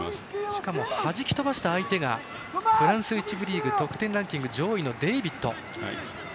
しかもはじき返した相手がフランス１部リーグ得点ランキング上位のデイビッド。